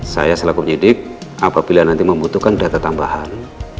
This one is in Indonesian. saya selaku penyidik apabila nanti membutuhkan data tambahan